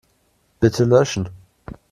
Bitte löschen.